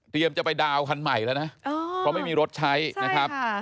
จะไปดาวน์คันใหม่แล้วนะเพราะไม่มีรถใช้นะครับ